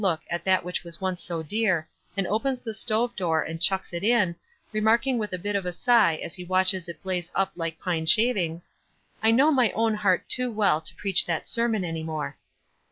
19 look at that which was once so clear, and opens the stove door and chucks it in, remarking with a bit of a sigh as he watches it blaze up like pine shavings, "I know my own heart too well to preach that sermon any more."